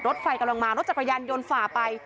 รถไฟกำลังมารถจักรยานยนต์ฝ่าไป